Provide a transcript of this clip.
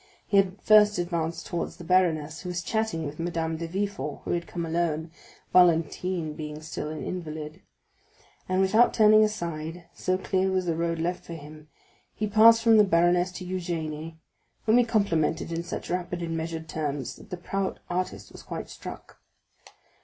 He first advanced towards the baroness, who was chatting with Madame de Villefort, who had come alone, Valentine being still an invalid; and without turning aside, so clear was the road left for him, he passed from the baroness to Eugénie, whom he complimented in such rapid and measured terms, that the proud artist was quite struck.